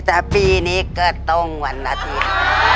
แต่ปีนี้ก็ต้องวันอาทิตย์